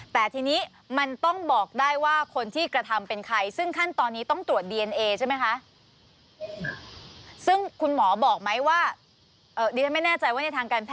แต่ทีนี้มันต้องบอกได้ว่าคนที่กระทำเป็นใครซึ่งขั้นตอนนี้ต้องตรวจดีเอนเอใช่ไหมคะ